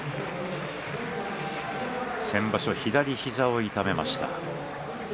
先場所、左膝を痛めました。